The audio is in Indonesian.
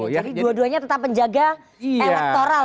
jadi dua duanya tetap penjaga elektoral